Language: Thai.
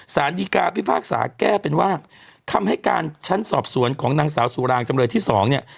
สารดีกาพิพากษาแก้เป็นว่าคำให้การชั้นสอบสวนของนางสาวสุรางจำเลยที่สองเนี่ย